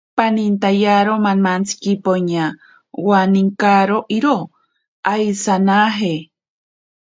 Panintaiyaro mamantsiki poña owaninkaro iroo awisanaje.